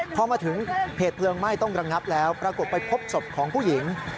พอมาถึงเหตุเพลิงไหม้ต้องระงับแล้วปรากฏไปพบศพของผู้หญิง